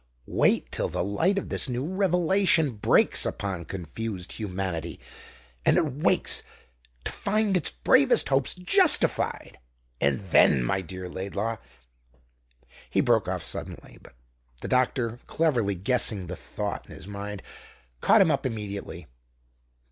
Wait till the light of this new revelation breaks upon confused humanity, and it wakes to find its bravest hopes justified! Ah, then, my dear Laidlaw " He broke off suddenly; but the doctor, cleverly guessing the thought in his mind, caught him up immediately.